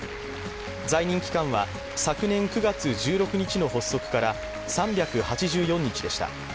在任期間は昨年９月１６日の発足から３８４日でした。